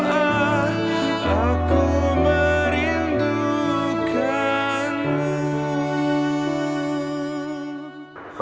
aku tak boleh menanggungmu